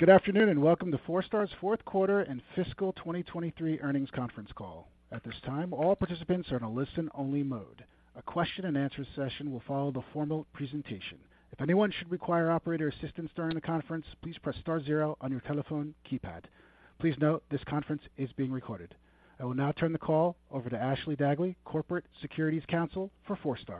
Good afternoon, and welcome to Forestar's Fourth Quarter and Fiscal 2023 Earnings Conference Call. At this time, all participants are in a listen-only mode. A question-and-answer session will follow the formal presentation. If anyone should require operator assistance during the conference, please press star zero on your telephone keypad. Please note, this conference is being recorded. I will now turn the call over to Ashley Dagley, Corporate Securities Counsel for Forestar.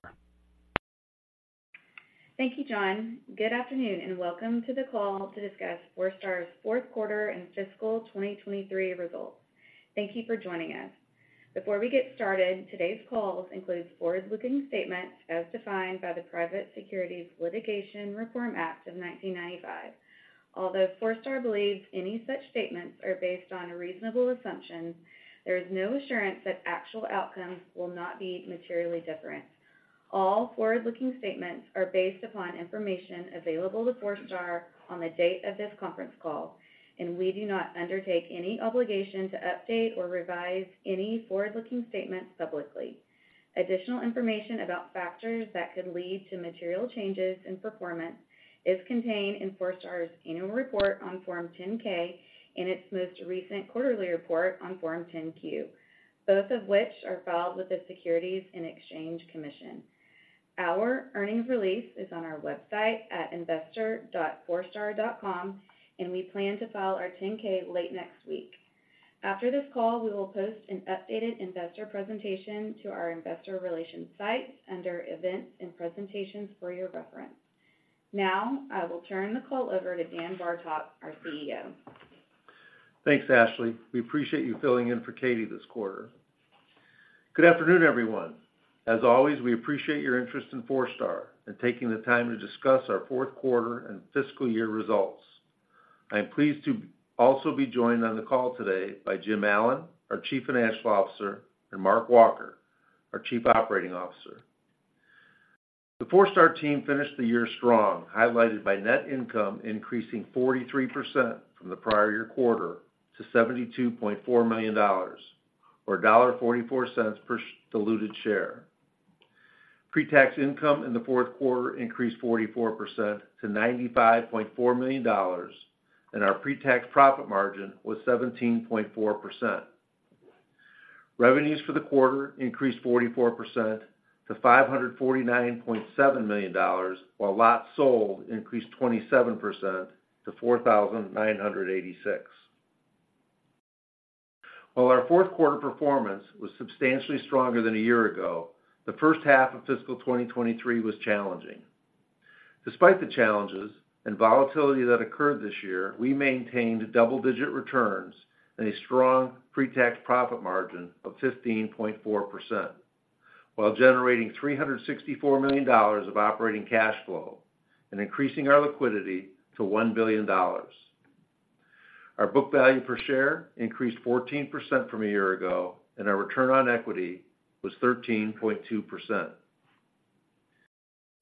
Thank you, John. Good afternoon, and welcome to the call to discuss Forestar's fourth quarter and fiscal 2023 results. Thank you for joining us. Before we get started, today's call includes forward-looking statements as defined by the Private Securities Litigation Reform Act of 1995. Although Forestar believes any such statements are based on reasonable assumptions, there is no assurance that actual outcomes will not be materially different. All forward-looking statements are based upon information available to Forestar on the date of this conference call, and we do not undertake any obligation to update or revise any forward-looking statements publicly. Additional information about factors that could lead to material changes in performance is contained in Forestar's annual report on Form 10-K and its most recent quarterly report on Form 10-Q, both of which are filed with the Securities and Exchange Commission. Our earnings release is on our website at investor.forestar.com, and we plan to file our 10-K late next week. After this call, we will post an updated investor presentation to our investor relations site under Events and Presentations for your reference. Now, I will turn the call over to Dan Bartok, our CEO. Thanks, Ashley. We appreciate you filling in for Katie this quarter. Good afternoon, everyone. As always, we appreciate your interest in Forestar and taking the time to discuss our fourth quarter and fiscal year results. I am pleased to also be joined on the call today by Jim Allen, our Chief Financial Officer, and Mark Walker, our Chief Operating Officer. The Forestar team finished the year strong, highlighted by net income increasing 43% from the prior year quarter to $72.4 million, or $1.44 per diluted share. Pre-tax income in the fourth quarter increased 44% to $95.4 million, and our pre-tax profit margin was 17.4%. Revenues for the quarter increased 44% to $549.7 million, while lots sold increased 27% to 4,986. While our fourth quarter performance was substantially stronger than a year ago, the first half of fiscal 2023 was challenging. Despite the challenges and volatility that occurred this year, we maintained double-digit returns and a strong pre-tax profit margin of 15.4%, while generating $364 million of operating cash flow and increasing our liquidity to $1 billion. Our book value per share increased 14% from a year ago, and our return on equity was 13.2%.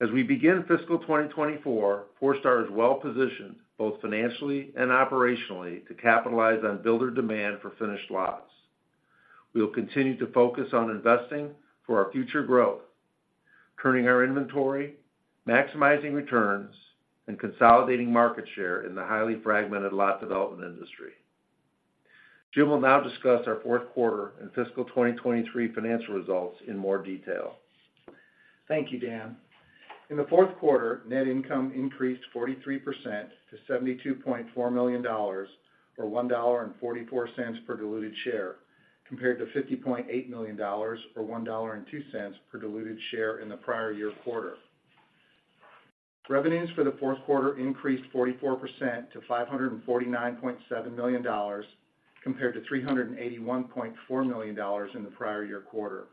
As we begin fiscal 2024, Forestar is well positioned, both financially and operationally, to capitalize on builder demand for finished lots. We will continue to focus on investing for our future growth, turning our inventory, maximizing returns, and consolidating market share in the highly fragmented lot development industry. Jim will now discuss our fourth quarter and fiscal 2023 financial results in more detail. Thank you, Dan. In the fourth quarter, net income increased 43% to $72.4 million, or $1.44 per diluted share, compared to $50.8 million, or $1.02 per diluted share in the prior year quarter. Revenues for the fourth quarter increased 44% to $549.7 million, compared to $381.4 million in the prior year quarter.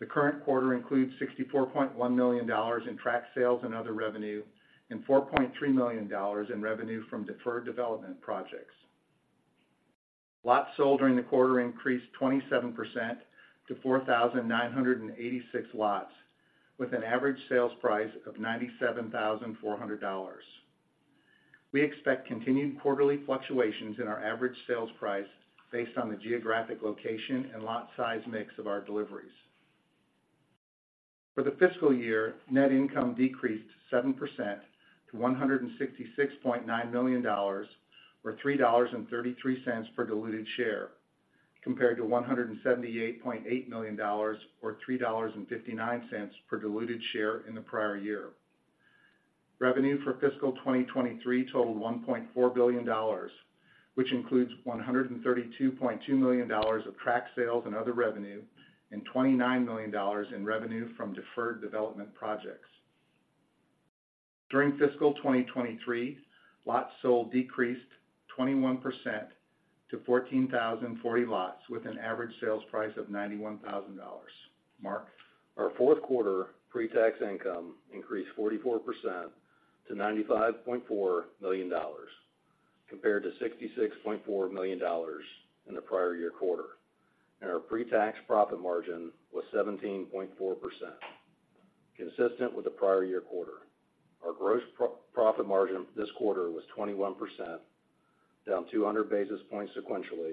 The current quarter includes $64.1 million in tract sales and other revenue and $4.3 million in revenue from deferred development projects. Lots sold during the quarter increased 27% to 4,986 lots, with an average sales price of $97,400. We expect continued quarterly fluctuations in our average sales price based on the geographic location and lot size mix of our deliveries. For the fiscal year, net income decreased 7% to $166.9 million, or $3.33 per diluted share, compared to $178.8 million or $3.59 per diluted share in the prior year. Revenue for fiscal 2023 totaled $1.4 billion, which includes $132.2 million of tract sales and other revenue and $29 million in revenue from deferred development projects. During fiscal 2023, lots sold decreased 21% to 14,040 lots, with an average sales price of $91,000. Mark? Our fourth quarter pre-tax income increased 44% to $95.4 million, compared to $66.4 million in the prior year quarter, and our pre-tax profit margin was 17.4%, consistent with the prior year quarter. Our gross profit margin this quarter was 21%, down 200 basis points sequentially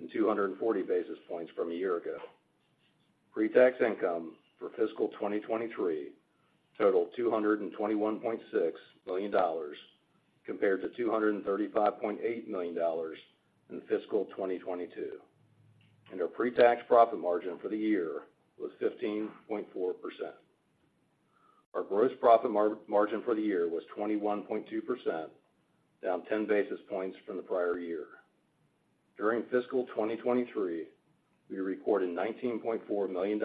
and 240 basis points from a year ago. Pre-tax income for fiscal 2023 totaled $221.6 million, compared to $235.8 million in fiscal 2022, and our pre-tax profit margin for the year was 15.4%. Our gross profit margin for the year was 21.2%, down 10 basis points from the prior year. During fiscal 2023, we recorded $19.4 million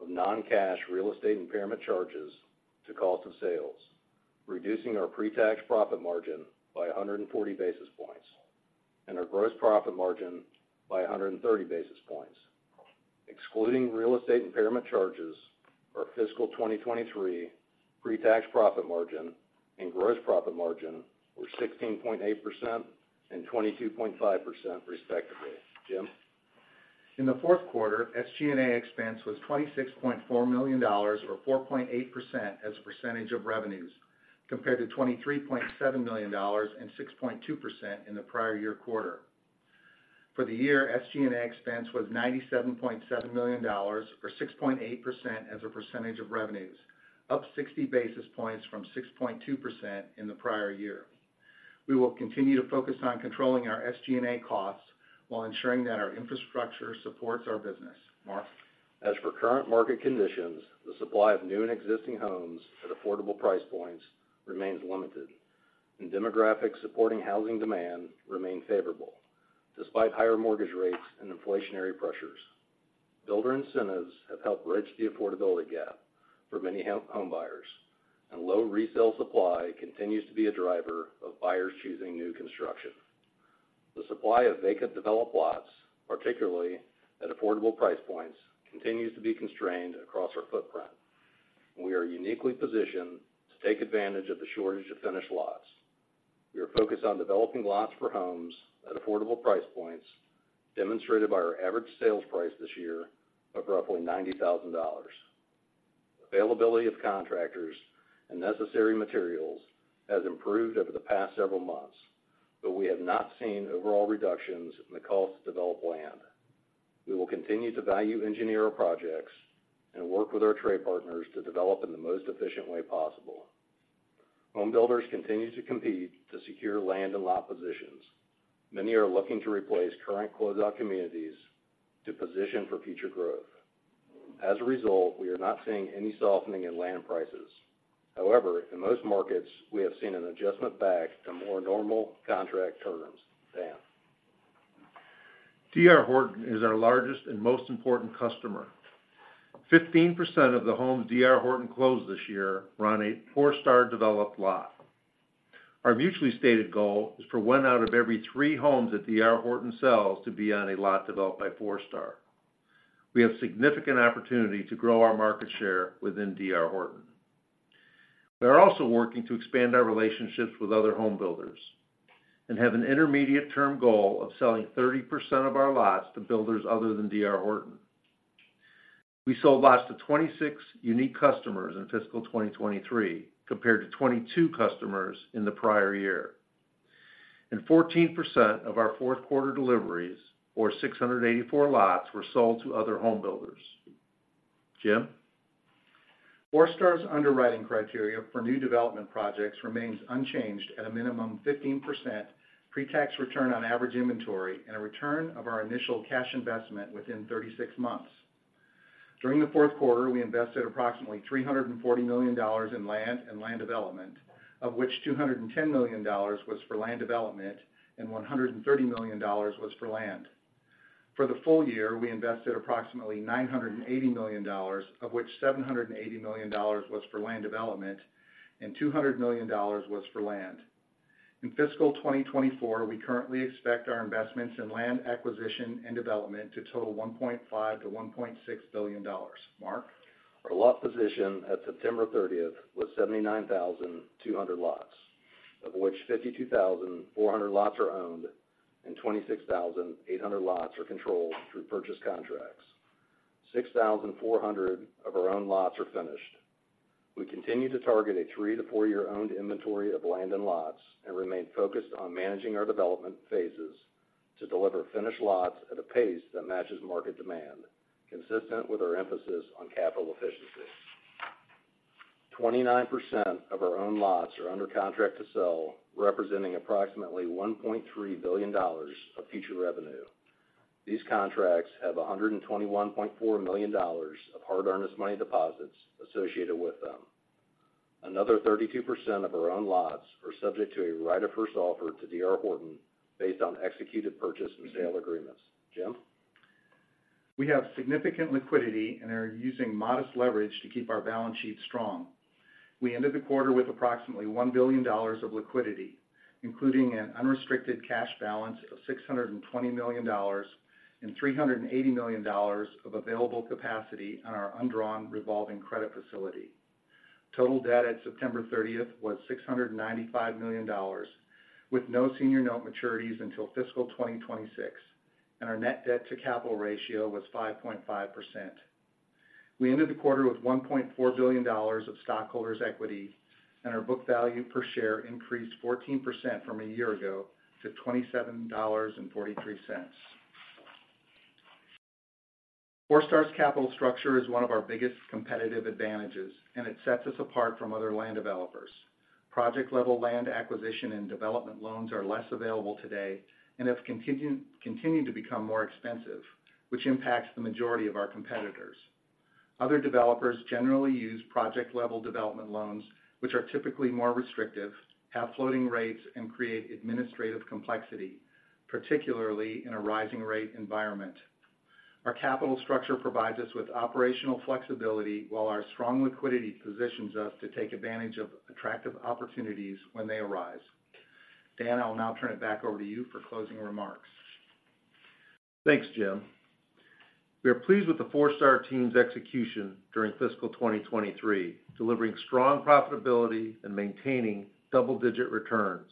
of non-cash real estate impairment charges to cost of sales, reducing our pre-tax profit margin by 140 basis points and our gross profit margin by 130 basis points. Excluding real estate impairment charges, our fiscal 2023 pre-tax profit margin and gross profit margin were 16.8% and 22.5% respectively. Jim? In the fourth quarter, SG&A expense was $26.4 million or 4.8% as a percentage of revenues, compared to $23.7 million and 6.2% in the prior year quarter. For the year, SG&A expense was $97.7 million, or 6.8% as a percentage of revenues, up 60 basis points from 6.2% in the prior year. We will continue to focus on controlling our SG&A costs while ensuring that our infrastructure supports our business. Mark? As for current market conditions, the supply of new and existing homes at affordable price points remains limited, and demographics supporting housing demand remain favorable, despite higher mortgage rates and inflationary pressures. Builder incentives have helped bridge the affordability gap for many home buyers, and low resale supply continues to be a driver of buyers choosing new construction. The supply of vacant developed lots, particularly at affordable price points, continues to be constrained across our footprint. We are uniquely positioned to take advantage of the shortage of finished lots. We are focused on developing lots for homes at affordable price points, demonstrated by our average sales price this year of roughly $90,000. Availability of contractors and necessary materials has improved over the past several months, but we have not seen overall reductions in the cost to develop land. We will continue to value engineer our projects and work with our trade partners to develop in the most efficient way possible. Home builders continue to compete to secure land and lot positions. Many are looking to replace current closed-out communities to position for future growth. As a result, we are not seeing any softening in land prices. However, in most markets, we have seen an adjustment back to more normal contract terms. Dan? D.R. Horton is our largest and most important customer. 15% of the homes D.R. Horton closed this year were on a Forestar-developed lot. Our mutually stated goal is for one out of every three homes that D.R. Horton sells to be on a lot developed by Forestar. We have significant opportunity to grow our market share within D.R. Horton. We are also working to expand our relationships with other home builders and have an intermediate-term goal of selling 30% of our lots to builders other than D.R. Horton. We sold lots to 26 unique customers in fiscal 2023, compared to 22 customers in the prior year, and 14% of our fourth quarter deliveries, or 684 lots, were sold to other home builders. Jim? Forestar's underwriting criteria for new development projects remains unchanged at a minimum 15% pre-tax return on average inventory and a return of our initial cash investment within 36 months. During the fourth quarter, we invested approximately $340 million in land and land development, of which $210 million was for land development and $130 million was for land. For the full year, we invested approximately $980 million, of which $780 million was for land development and $200 million was for land. In fiscal 2024, we currently expect our investments in land acquisition and development to total $1.5 billion-$1.6 billion. Mark? Our lot position at September 30th was 79,200 lots, of which 52,400 lots are owned and 26,800 lots are controlled through purchase contracts. 6,400 of our own lots are finished. We continue to target a 3- to 4-year owned inventory of land and lots, and remain focused on managing our development phases to deliver finished lots at a pace that matches market demand, consistent with our emphasis on capital efficiency. 29% of our own lots are under contract to sell, representing approximately $1.3 billion of future revenue. These contracts have $121.4 million of hard, earnest money deposits associated with them. Another 32% of our own lots are subject to a right of first offer to D.R. Horton based on executed purchase and sale agreements. Jim? We have significant liquidity and are using modest leverage to keep our balance sheet strong. We ended the quarter with approximately $1 billion of liquidity, including an unrestricted cash balance of $620 million and $380 million of available capacity on our undrawn revolving credit facility. Total debt at September 30 was $695 million, with no senior note maturities until fiscal 2026, and our net debt to capital ratio was 5.5%. We ended the quarter with $1.4 billion of stockholders' equity, and our book value per share increased 14% from a year ago to $27.43. Forestar's capital structure is one of our biggest competitive advantages, and it sets us apart from other land developers. Project-level land acquisition and development loans are less available today and have continued to become more expensive, which impacts the majority of our competitors. Other developers generally use project-level development loans, which are typically more restrictive, have floating rates, and create administrative complexity, particularly in a rising rate environment. Our capital structure provides us with operational flexibility, while our strong liquidity positions us to take advantage of attractive opportunities when they arise. Dan, I'll now turn it back over to you for closing remarks. Thanks, Jim. We are pleased with the Forestar team's execution during fiscal 2023, delivering strong profitability and maintaining double-digit returns.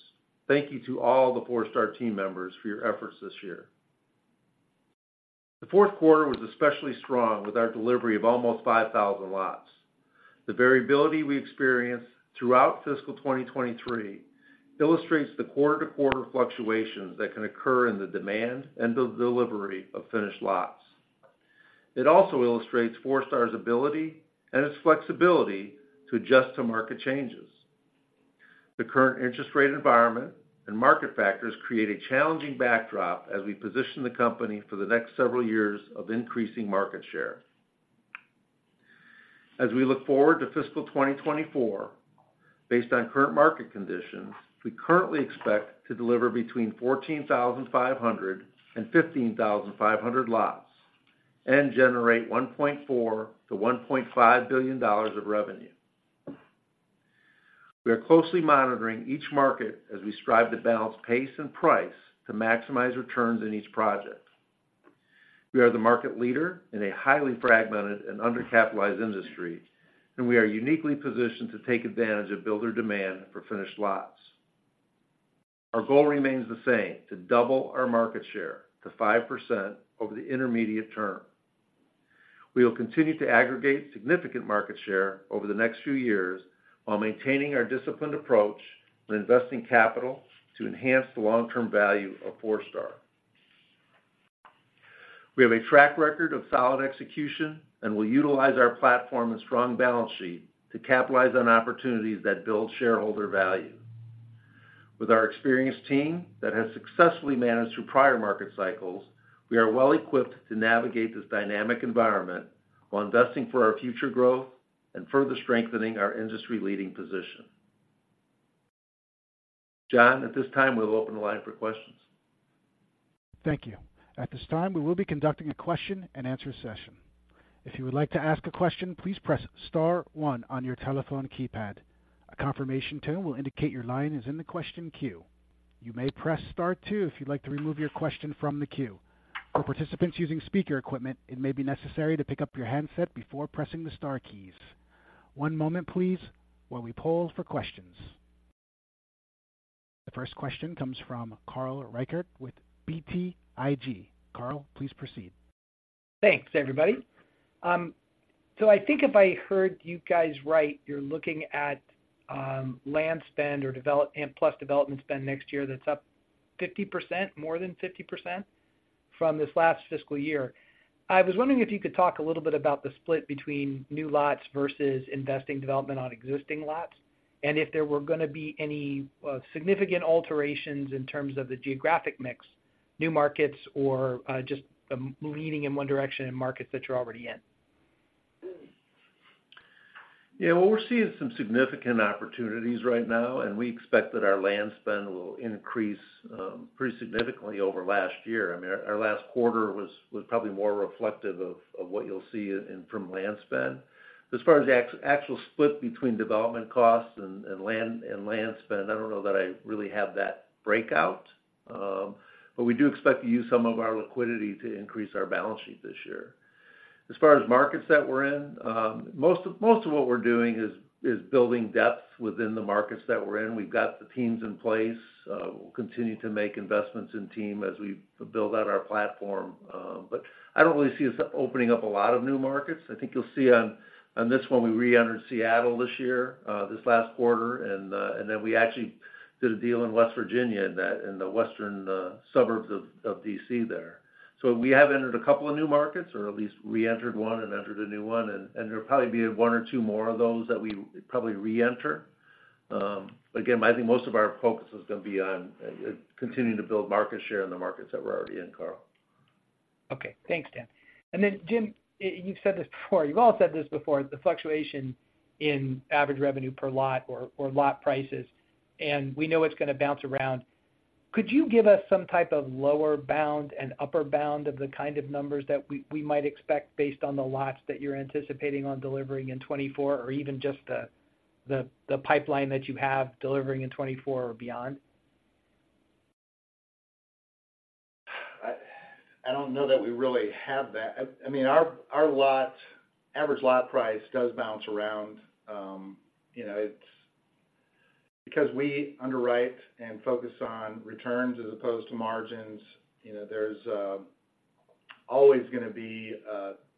Thank you to all the Forestar team members for your efforts this year. The fourth quarter was especially strong, with our delivery of almost 5,000 lots. The variability we experienced throughout fiscal 2023 illustrates the quarter-to-quarter fluctuations that can occur in the demand and the delivery of finished lots. It also illustrates Forestar's ability and its flexibility to adjust to market changes. The current interest rate environment and market factors create a challenging backdrop as we position the company for the next several years of increasing market share. As we look forward to fiscal 2024, based on current market conditions, we currently expect to deliver between 14,500 and 15,500 lots and generate $1.4 billion-$1.5 billion of revenue. We are closely monitoring each market as we strive to balance pace and price to maximize returns in each project. We are the market leader in a highly fragmented and undercapitalized industry, and we are uniquely positioned to take advantage of builder demand for finished lots. Our goal remains the same: to double our market share to 5% over the intermediate term. We will continue to aggregate significant market share over the next few years, while maintaining our disciplined approach and investing capital to enhance the long-term value of Forestar. We have a track record of solid execution and will utilize our platform and strong balance sheet to capitalize on opportunities that build shareholder value. With our experienced team that has successfully managed through prior market cycles, we are well equipped to navigate this dynamic environment while investing for our future growth and further strengthening our industry-leading position. John, at this time, we'll open the line for questions. Thank you. At this time, we will be conducting a question-and-answer session. If you would like to ask a question, please press star one on your telephone keypad. A confirmation tone will indicate your line is in the question queue. You may press star two if you'd like to remove your question from the queue. For participants using speaker equipment, it may be necessary to pick up your handset before pressing the star keys. One moment, please, while we poll for questions. The first question comes from Carl Reichardt with BTIG. Carl, please proceed. Thanks, everybody. So I think if I heard you guys right, you're looking at land spend or development and plus development spend next year, that's up 50%, more than 50% from this last fiscal year. I was wondering if you could talk a little bit about the split between new lots versus investing development on existing lots, and if there were going to be any significant alterations in terms of the geographic mix, new markets, or just the leaning in one direction in markets that you're already in. Yeah, well, we're seeing some significant opportunities right now, and we expect that our land spend will increase pretty significantly over last year. I mean, our last quarter was probably more reflective of what you'll see in from land spend. As far as the actual split between development costs and land spend, I don't know that I really have that breakout. But we do expect to use some of our liquidity to increase our balance sheet this year. As far as markets that we're in, most of what we're doing is building depth within the markets that we're in. We've got the teams in place. We'll continue to make investments in team as we build out our platform. But I don't really see us opening up a lot of new markets. I think you'll see on this one, we reentered Seattle this year, this last quarter, and then we actually did a deal in West Virginia, in the western suburbs of D.C. there. So we have entered a couple of new markets, or at least reentered one and entered a new one, and there'll probably be one or two more of those that we probably reenter. But again, I think most of our focus is going to be on continuing to build market share in the markets that we're already in, Carl. Okay. Thanks, Dan. And then, Jim, you've said this before. You've all said this before, the fluctuation in average revenue per lot or lot prices, and we know it's going to bounce around. Could you give us some type of lower bound and upper bound of the kind of numbers that we might expect based on the lots that you're anticipating on delivering in 2024, or even just the pipeline that you have delivering in 2024 or beyond? I don't know that we really have that. I mean, our average lot price does bounce around. You know, it's. Because we underwrite and focus on returns as opposed to margins, you know, there's always going to be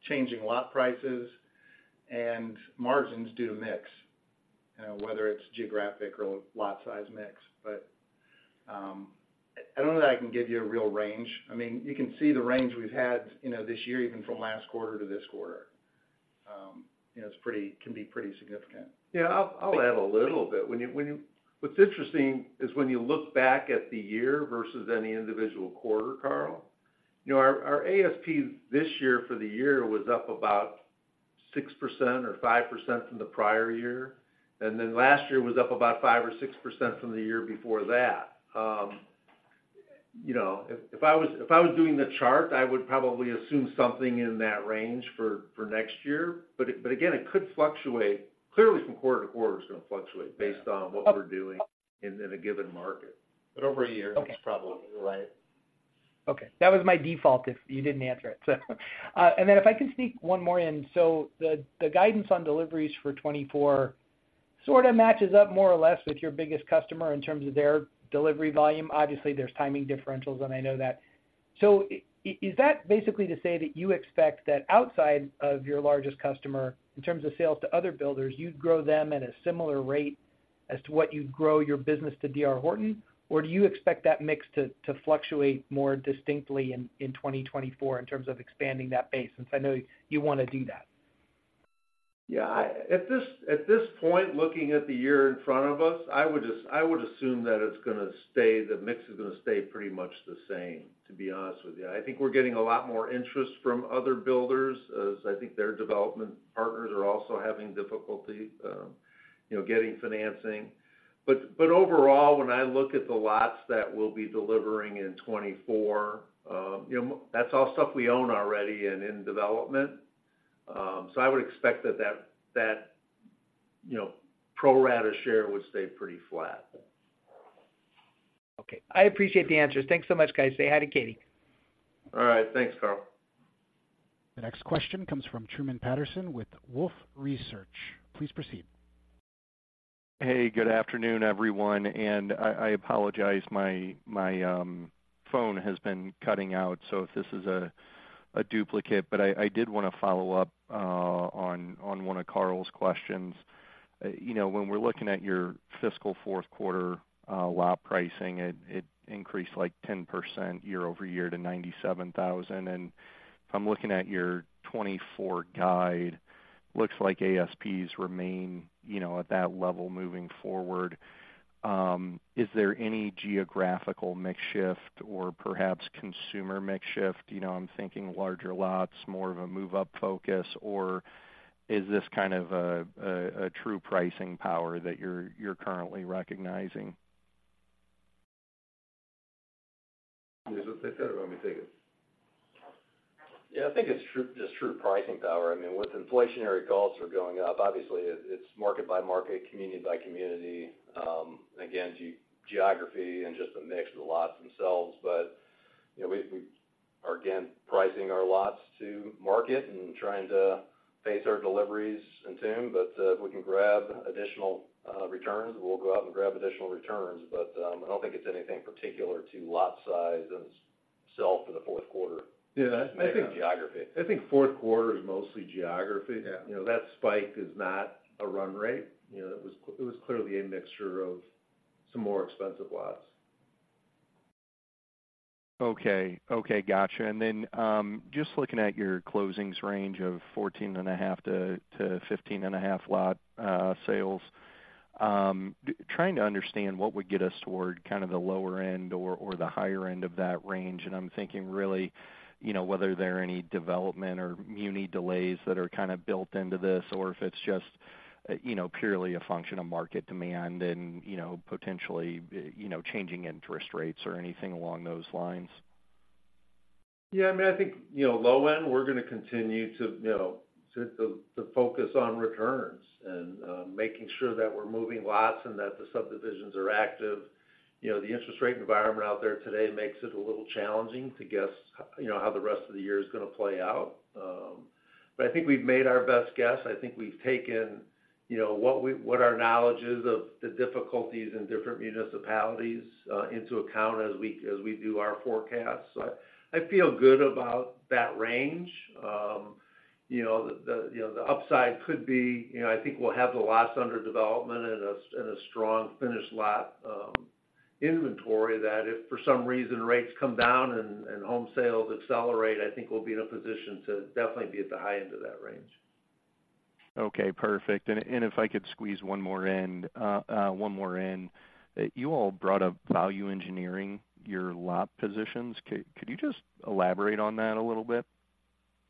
changing lot prices and margins due to mix, whether it's geographic or lot size mix. But, I don't know that I can give you a real range. I mean, you can see the range we've had, you know, this year, even from last quarter to this quarter. You know, it's can be pretty significant. Yeah, I'll add a little bit. When you, what's interesting is when you look back at the year versus any individual quarter, Carl, you know, our ASP this year for the year was up about 6% or 5% from the prior year, and then last year was up about 5% or 6% from the year before that. You know, if I was doing the chart, I would probably assume something in that range for next year. But again, it could fluctuate. Clearly, from quarter to quarter, it's going to fluctuate based on what we're doing in a given market. But over a year Okay. It's probably right. Okay, that was my default if you didn't answer it. So, and then if I can sneak one more in. So the guidance on deliveries for 2024 sort of matches up more or less with your biggest customer in terms of their delivery volume. Obviously, there's timing differentials, and I know that. So is that basically to say that you expect that outside of your largest customer, in terms of sales to other builders, you'd grow them at a similar rate as to what you'd grow your business to D.R. Horton? Or do you expect that mix to fluctuate more distinctly in 2024 in terms of expanding that base, since I know you want to do that? Yeah, at this point, looking at the year in front of us, I would assume that it's going to stay, the mix is going to stay pretty much the same, to be honest with you. I think we're getting a lot more interest from other builders, as I think their development partners are also having difficulty, you know, getting financing. But overall, when I look at the lots that we'll be delivering in 2024, you know, that's all stuff we own already and in development. So I would expect that you know, pro rata share would stay pretty flat. Okay. I appreciate the answers. Thanks so much, guys. Say hi to Katie. All right. Thanks, Carl. The next question comes from Truman Patterson with Wolfe Research. Please proceed. Hey, good afternoon, everyone, and I apologize, my phone has been cutting out, so if this is a duplicate, but I did want to follow up on one of Carl's questions. You know, when we're looking at your fiscal fourth quarter, lot pricing, it increased, like, 10% year-over-year to $97,000. And if I'm looking at your 2024 guide, looks like ASPs remain, you know, at that level moving forward. Is there any geographical mix shift or perhaps consumer mix shift? You know, I'm thinking larger lots, more of a move-up focus, or is this kind of a true pricing power that you're currently recognizing? You want to take that, or want me take it? Yeah, I think it's true, just true pricing power. I mean, with inflationary costs are going up, obviously it, it's market by market, community by community, again, geography and just the mix of the lots themselves. But, you know, we, we are, again, pricing our lots to market and trying to pace our deliveries in tune. But, if we can grab additional, returns, we'll go out and grab additional returns. But, I don't think it's anything particular to lot size and itself for the fourth quarter. Yeah, I think Geography. I think fourth quarter is mostly geography. Yeah. You know, that spike is not a run rate. You know, it was clearly a mixture of some more expensive lots. Okay. Okay, gotcha. And then, just looking at your closings range of 14.5 to 15.5 lot sales, trying to understand what would get us toward kind of the lower end or the higher end of that range. And I'm thinking really, you know, whether there are any development or muni delays that are kind of built into this, or if it's just, you know, purely a function of market demand and, you know, potentially, you know, changing interest rates or anything along those lines. Yeah, I mean, I think, you know, low end, we're going to continue to, you know, to focus on returns and making sure that we're moving lots and that the subdivisions are active. You know, the interest rate environment out there today makes it a little challenging to guess, you know, how the rest of the year is going to play out. But I think we've made our best guess. I think we've taken, you know, what our knowledge is of the difficulties in different municipalities into account as we do our forecasts. So I feel good about that range. You know, the upside could be, you know, I think we'll have the lots under development and a strong finished lot inventory, that if, for some reason, rates come down and home sales accelerate, I think we'll be in a position to definitely be at the high end of that range. Okay, perfect. And if I could squeeze one more in, one more in. You all brought up value engineering your lot positions. Could you just elaborate on that a little bit?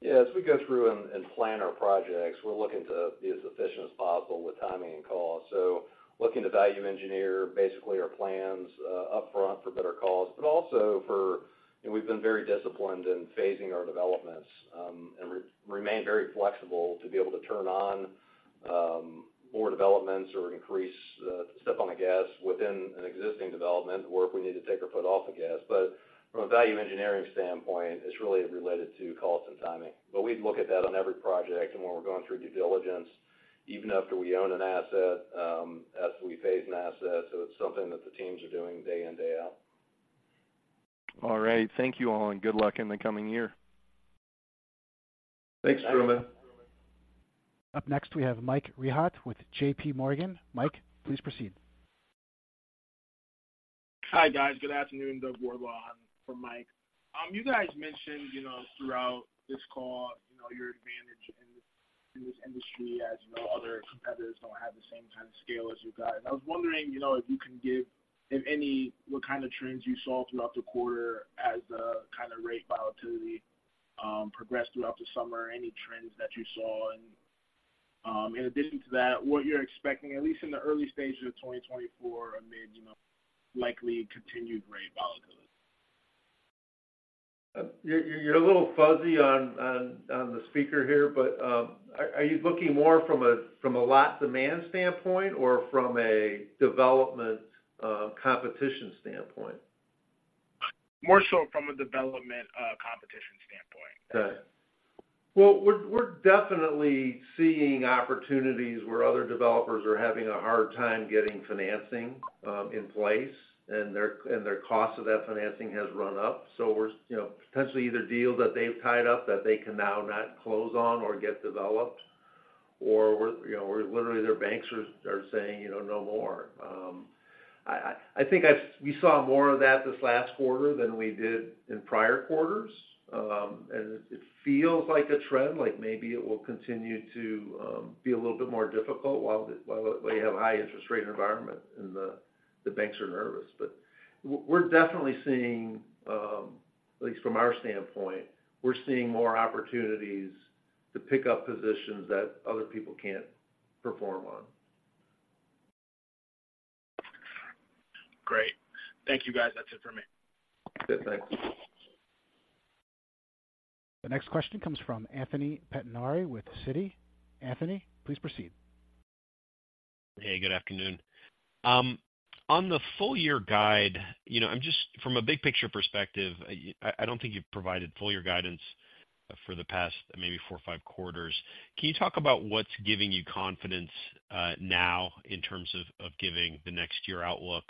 Yeah. As we go through and plan our projects, we're looking to be as efficient as possible with timing and cost. So looking to value engineer, basically our plans, upfront for better costs, but also for and we've been very disciplined in phasing our developments, and remain very flexible to be able to turn on, more developments or increase, step on the gas within an existing development, or if we need to take our foot off the gas. But from a value engineering standpoint, it's really related to costs and timing. But we'd look at that on every project and when we're going through due diligence, even after we own an asset, as we phase an asset. So it's something that the teams are doing day in, day out. All right, thank you all, and good luck in the coming year. Thanks, Truman. Up next, we have Mike Rehaut with JP Morgan. Mike, please proceed. Hi, guys. Good afternoon. Doug Wardlaw for Mike. You guys mentioned, you know, throughout this call, you know, your advantage in, in this industry as, you know, other competitors don't have the same kind of scale as you guys. I was wondering, you know, if you can give, if any, what kind of trends you saw throughout the quarter as the kind of rate volatility progressed throughout the summer, any trends that you saw? And, in addition to that, what you're expecting, at least in the early stages of 2024, amid, you know, likely continued rate volatility. You're a little fuzzy on the speaker here, but are you looking more from a lot demand standpoint or from a development competition standpoint? More so from a development, competition standpoint. Okay. Well, we're definitely seeing opportunities where other developers are having a hard time getting financing in place, and their cost of that financing has run up. So we're, you know, potentially either deals that they've tied up that they can now not close on or get developed, or we're, you know, we're literally their banks are saying, you know, "No more." We saw more of that this last quarter than we did in prior quarters. And it feels like a trend, like maybe it will continue to be a little bit more difficult while we have a high interest rate environment and the banks are nervous. But we're definitely seeing, at least from our standpoint, we're seeing more opportunities to pick up positions that other people can't perform on. Great. Thank you, guys. That's it for me. Okay, thanks. The next question comes from Anthony Pettinari with Citi. Anthony, please proceed. Hey, good afternoon. On the full year guide, you know, from a big picture perspective, I don't think you've provided full year guidance for the past maybe four or five quarters. Can you talk about what's giving you confidence now in terms of giving the next year outlook,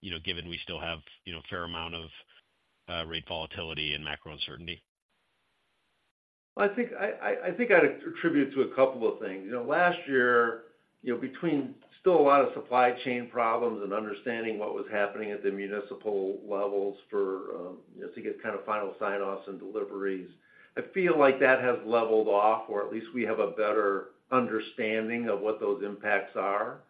you know, given we still have, you know, a fair amount of rate volatility and macro uncertainty? I think I'd attribute to a couple of things. You know, last year, you know, between still a lot of supply chain problems and understanding what was happening at the municipal levels for, you know, to get kind of final sign-offs and deliveries, I feel like that has leveled off, or at least we have a better understanding of what those impacts are.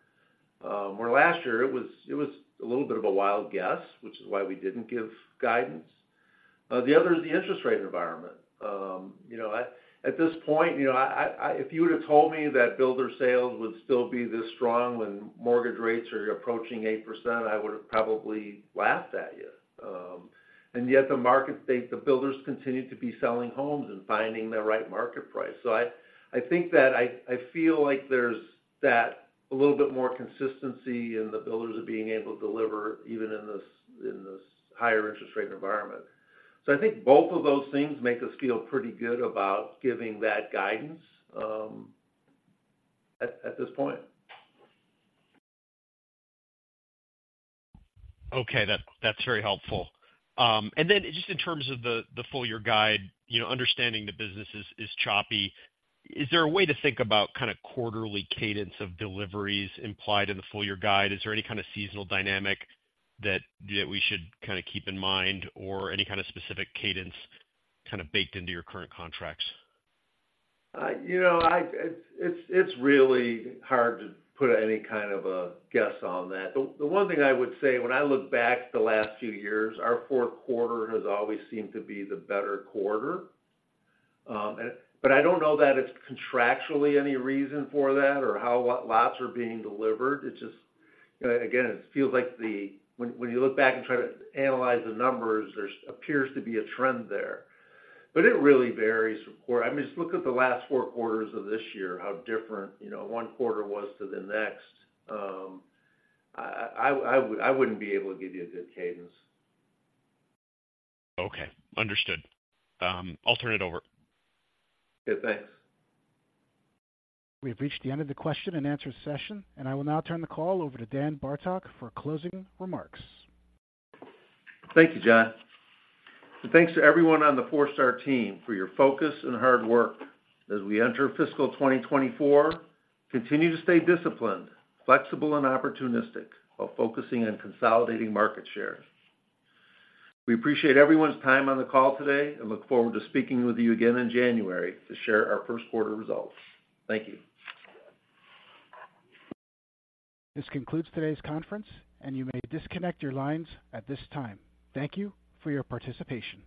Where last year it was a little bit of a wild guess, which is why we didn't give guidance. The other is the interest rate environment. You know, at this point, you know, if you would have told me that builder sales would still be this strong when mortgage rates are approaching 8%, I would have probably laughed at you. And yet the market state, the builders continue to be selling homes and finding the right market price. So I think that I feel like there's a little bit more consistency in the builders being able to deliver even in this higher interest rate environment. So I think both of those things make us feel pretty good about giving that guidance at this point. Okay, that's very helpful. And then just in terms of the full year guide, you know, understanding the business is choppy, is there a way to think about kind of quarterly cadence of deliveries implied in the full year guide? Is there any kind of seasonal dynamic that we should kind of keep in mind or any kind of specific cadence kind of baked into your current contracts? You know, it's really hard to put any kind of a guess on that. The one thing I would say, when I look back the last few years, our fourth quarter has always seemed to be the better quarter. And, but I don't know that it's contractually any reason for that or how, what lots are being delivered. It's just, again, it feels like the. When you look back and try to analyze the numbers, there appears to be a trend there. But it really varies from quarter. I mean, just look at the last four quarters of this year, how different, you know, one quarter was to the next. I wouldn't be able to give you a good cadence. Okay, understood. I'll turn it over. Okay, thanks. We've reached the end of the question and answer session, and I will now turn the call over to Dan Bartok for closing remarks. Thank you, John. Thanks to everyone on the Forestar team for your focus and hard work. As we enter fiscal 2024, continue to stay disciplined, flexible, and opportunistic while focusing on consolidating market share. We appreciate everyone's time on the call today and look forward to speaking with you again in January to share our first quarter results. Thank you. This concludes today's conference, and you may disconnect your lines at this time. Thank you for your participation.